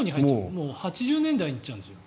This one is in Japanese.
もう８０年代に入っちゃうんですよ。